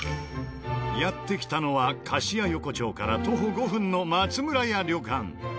やって来たのは菓子屋横丁から徒歩５分の松村屋旅館。